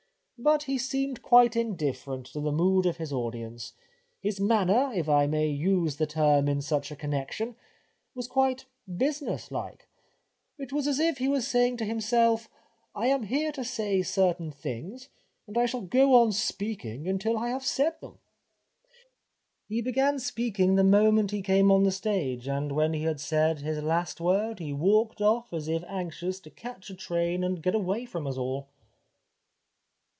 But he seemed quite indifferent to the mood of his audience, his manner, if I may use the term in such a connection, was quite business like. It was as if he was saying to himself, * I am here to say cer tain things, and I shall go on speaking until I have said them.' He began speaking the moment he came on the stage, and when he had said his last word he walked off as if anxious to catch a train and get away from us all."